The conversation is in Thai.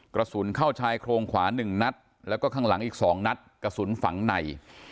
กระสุนเข้าชายโครงขวา๑นัดแล้วก็ข้างหลังอีก๒นัดกระสุนฝังใน